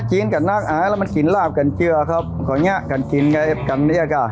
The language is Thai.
ชีนกับนักอายแล้วมันกินลาบกันเจ้าครับก่อนอย่าการกินกันไงบีกันเนี้ยกะ